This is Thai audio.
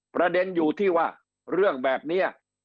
ประเด็นอยู่ที่ว่าเรื่องแบบนี้